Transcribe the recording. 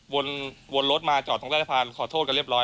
วนรถมาจอดตรงราชภัณฑ์ขอโทษกันเรียบร้อย